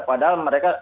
padahal mereka masih ada